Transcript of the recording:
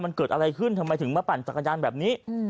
มันเกิดอะไรขึ้นทำไมถึงมาปั่นจักรยานแบบนี้